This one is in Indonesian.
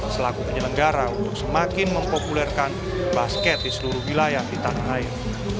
selaku penyelenggara untuk semakin mempopulerkan basket di seluruh wilayah di tanah air